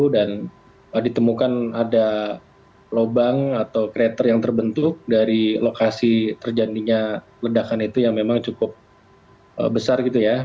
dan ditemukan ada lubang atau kereta yang terbentuk dari lokasi terjadinya ledakan itu yang memang cukup besar gitu ya